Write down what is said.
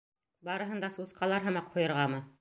Барыһын да сусҡалар һымаҡ һуйырғамы?